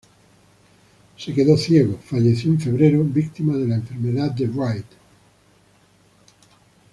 Se quedó ciego, falleció en febrero, victima de la enfermedad de Bright.